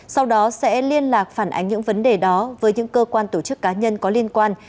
sau đó sẽ liên lạc phản ánh những vấn đề đó với những cơ quan tổ chức cá nhân có liên quan